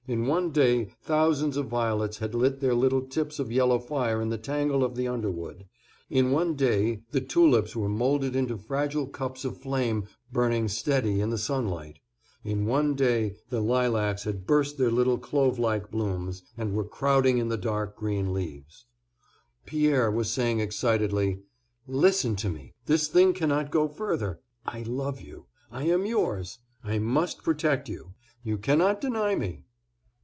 In one day thousands of violets had lit their little tips of yellow fire in the tangle of the underwood; in one day the tulips were moulded into fragile cups of flame burning steady in the sunlight; in one day the lilacs had burst their little clove like blooms, and were crowding in the dark green leaves. Pierre was saying excitedly: "Listen to me. This thing cannot go further. I love you, I am yours. I must protect you. You cannot deny me."